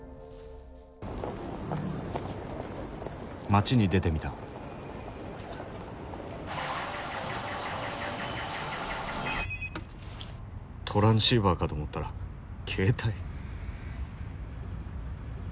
街に出てみたトランシーバーかと思ったら携帯？